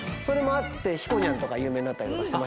それもあってひこにゃんとか有名になったりとか。